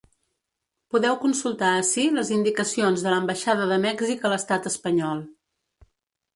Podeu consultar ací les indicacions de l’ambaixada de Mèxic a l’estat espanyol.